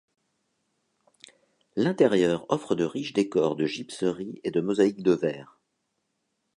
L’intérieur offre de riches décors de gypseries et de mosaïques de verre.